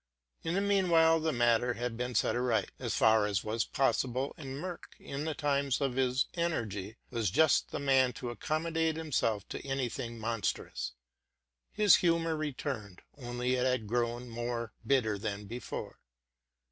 In the mean time the matter had been set right, as far as was possible : and Merck, in the times of his energy, was just the man to accommodate himself to any thing monstrous; his humor returned, only it had grown still more bitter than Defore.